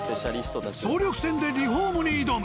総力戦でリフォームに挑む。